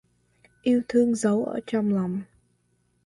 Yêu thương giấu ở trong lòng